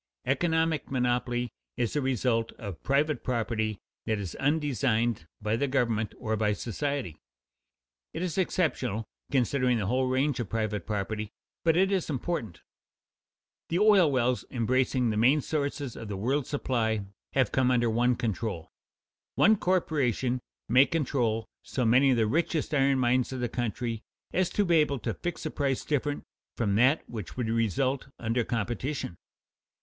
Economic monopoly is a result of private property that is undesigned by the government or by society. It is exceptional, considering the whole range of private property, but it is important. The oil wells embracing the main sources of the world's supply have come under one control. One corporation may control so many of the richest iron mines of the country as to be able to fix a price different from that which would result under competition.